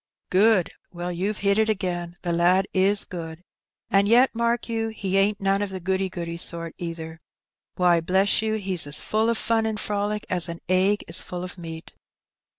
'^ Good ! Well, you've hit it again, the lad is good ; and yet, mark you, he ain't none of the goody goody sort either. Why, bless you, he's as full of fun and frolic as an egg is full of meat.